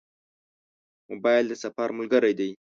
موبایل د سفر ملګری دی.